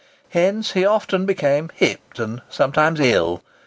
Hence he often became "hipped" and sometimes ill.